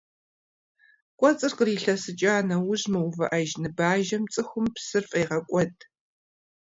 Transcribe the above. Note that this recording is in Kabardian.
КӀуэцӀыр кърилъэсыкӀа нэужь мыувыӀэж ныбажэм цӀыхум псыр фӀегъэкӀуэд.